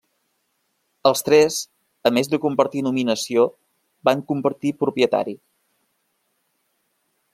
Els tres, a més de compartir nominació, van compartir propietari: